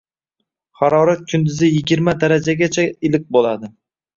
Harorat kunduziyigirmadarajagacha iliq bo‘ladi